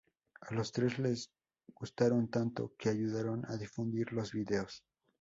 A los otros le gustaron tanto que ayudaron a difundir los vídeos.